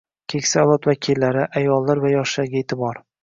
Keksa avlod vakillari, ayollar va yoshlarga e’tibor